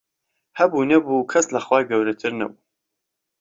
هەبوو نەبوو کەس لە خوای گەورەتر نەبوو